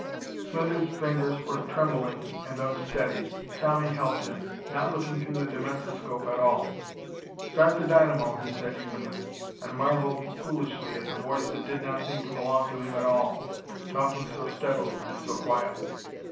Smithers' fingers were trembling and unsteady. Tommy helped him, not looking through the dimensoscope at all. "Start the dynamo," he said evenly and marveled foolishly at the voice that did not seem to belong to him at all, talking so steadily and so quietly.